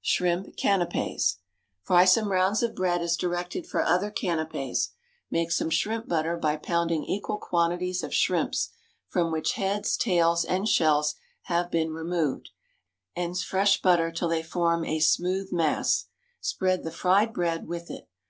Shrimp Canapés. Fry some rounds of bread as directed for other canapés. Make some shrimp butter by pounding equal quantities of shrimps, from which heads, tails, and shells have been removed, and fresh butter till they form a smooth mass; spread the fried bread with it.